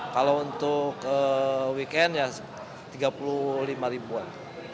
kalau untuk weekend ya tiga puluh lima ribuan